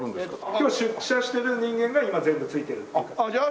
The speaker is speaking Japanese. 今日出社してる人間が今全部ついてるという。